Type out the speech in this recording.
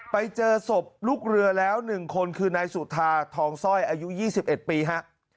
ไปเจอศพลูกเรือแล้วหนึ่งคนคือนายสุธาทองสร้อยอายุยี่สิบเอ็ดปีฮะ